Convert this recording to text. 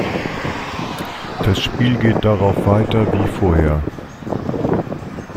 Das Spiel geht darauf weiter wie vorher.